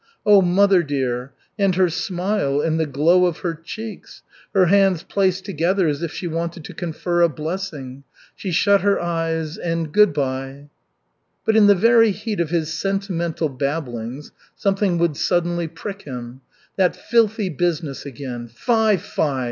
Oh, mother dear! And her smile, and the glow of her cheeks! Her hands placed together as if she wanted to confer a blessing. She shut her eyes and good by!" But in the very heat of his sentimental babblings, something would suddenly prick him. That filthy business again. Fi, fi!